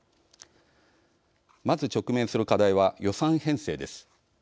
まず直面する課題は予算編成です。